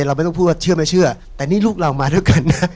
เราไม่ต้องพูดว่าเชื่อไม่เชื่อแต่นี่ลูกเรามาด้วยกันนะ